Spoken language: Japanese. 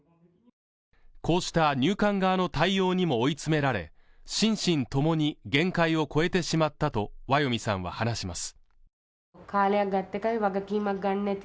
こうした入管側の対応にも追い詰められ心身ともに限界を超えてしまったとワヨミさんは話します